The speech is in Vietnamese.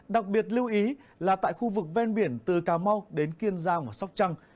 đặc biệt lưu ý là tại khu vực ven biển từ cà mau đến kiên giang và sóc trăng